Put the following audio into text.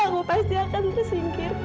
kalau bukan pading elementary school itu